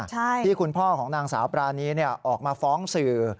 ที่คุณพ่อของนางสาวปรานีออกมาฟ้องสื่อ